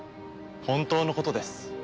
本当のことです。